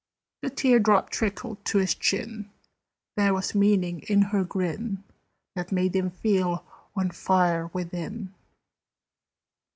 The tear drop trickled to his chin: There was a meaning in her grin That made him feel on fire within.